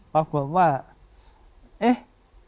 ปรากฏว่าเอ๊ะ